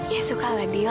ya suka nggak dil